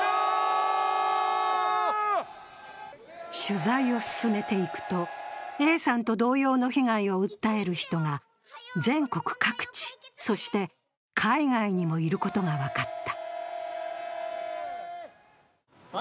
取材を進めていくと、Ａさんと同様の被害を訴える人が全国各地、そして海外にもいることが分かった。